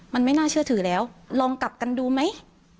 มันไม่น่าเชื่อถือแล้วลองกลับกันดูไหม